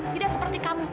tidak seperti kamu